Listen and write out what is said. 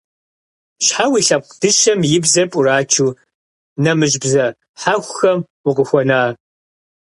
Щхьэ уи лъэпкъ дыщэм и бзэр пӀурачу нэмыщӀ бзэ хьэхухэм укъыхуэна?